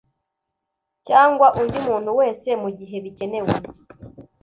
cyangwa undi muntu wese mu gihe bikenewe